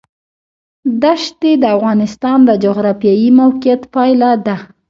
دښتې د افغانستان د جغرافیایي موقیعت پایله ده.